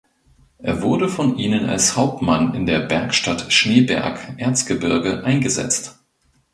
Er wurde von ihnen als Hauptmann in der Bergstadt Schneeberg (Erzgebirge) eingesetzt.